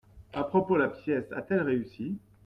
A propos, la pièce a-t-elle réussi ?